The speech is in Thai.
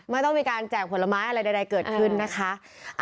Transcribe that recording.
ไม่ต้องมีการแจกผลไม้อะไรใดเกิดขึ้นนะคะ